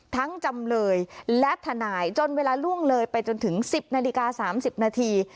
ทั้งจำเลยและธนายจนเวลาร่วงเลยไปจนถึงสิบนาฬิกาสามสิบนาที